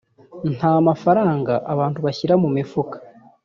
nta mafaranga abantu bashyira mu mifuka